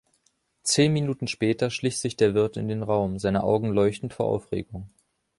Zehn Minuten später schlich sich der Wirt in den Raum, seine Augen leuchtend vor Aufregung.